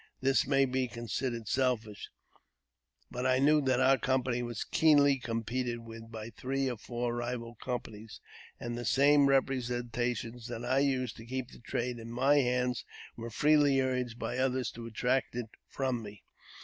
This may be considered selfish ; but I knew that our company was keenly competed with by three or four rival companies, and that the same representations that I used to keep the trade in my hands were freely urged by others to attract it from me.